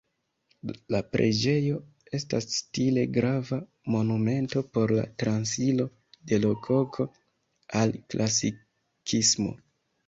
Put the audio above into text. La preĝejo estas stile grava monumento por la transiro de Rokoko al Klasikismo.